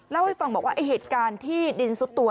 เล่าให้ฟังบอกว่าไอ้เหตุการณ์ที่ดินซุดตัว